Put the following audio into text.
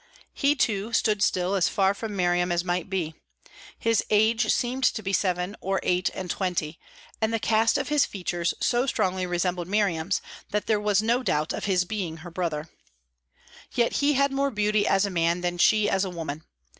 He too, stood still, as far from Miriam as might be. His age seemed to be seven or eight and twenty, and the cast of his features so strongly resembled Miriam's that there was no doubt of his being her brother. Yet he had more beauty as a man than she as a woman.